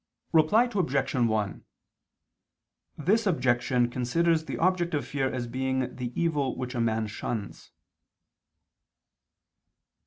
Reply Obj. 1: This objection considers the object of fear as being the evil which a man shuns.